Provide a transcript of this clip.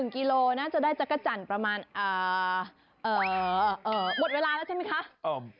๑กิโลน่ะจะได้จักรจันประมาณเอ่อหมดเวลาละใช่ไหมค่ะ